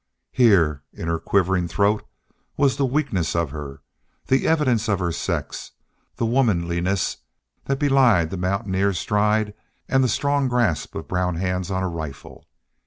Here in her quivering throat was the weakness of her, the evidence of her sex, the womanliness that belied the mountaineer stride and the grasp of strong brown hands on a rifle.